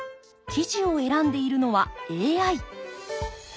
記事を選んでいるのはＡＩ。